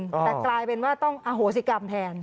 แต่กลายเป็นว่าต้องอโหสิกรรมแทน